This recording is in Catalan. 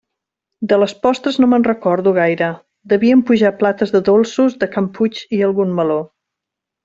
De les postres no me'n recordo gaire; devien pujar plates de dolços de can Puig i algun meló.